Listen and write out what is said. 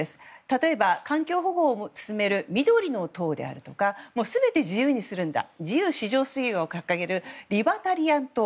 例えば環境保護を進める緑の党であるとかもう全て自由にするんだと自由至上主義を掲げるリバタリアン党。